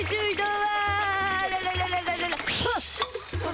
はっ！